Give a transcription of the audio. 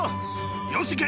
よしいけ！